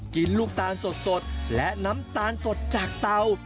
ลูกตาลสดและน้ำตาลสดจากเตา